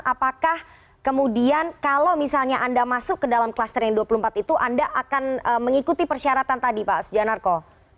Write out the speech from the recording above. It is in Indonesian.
apakah kemudian kalau misalnya anda masuk ke dalam kluster yang dua puluh empat itu anda akan mengikuti persyaratan tadi pak sujanarko